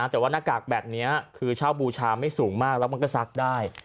แต่ว่าหน้ากากแบบนี้คือเช่าบูชาไม่สูงมากแล้วมันก็ซักได้